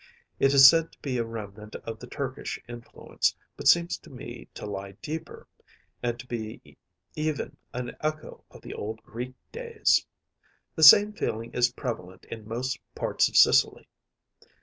It is said to be a remnant of the Turkish influence, but seems to me to lie deeper, and to be even an echo of the old Greek days. The same feeling is prevalent in most parts of Sicily.